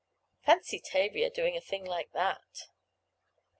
Fancy Tavia doing a thing like that!